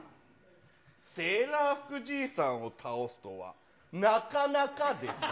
セーラー服じいさんを倒すとはなかなかですね。